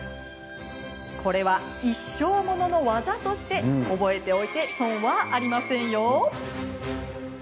これは、一生ものの技として覚えておいて損はありませんよ。